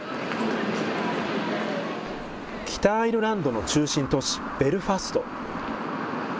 北アイルランドの中心都市、ベルファスト。